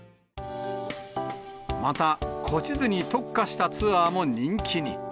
また、古地図に特化したツアーも人気に。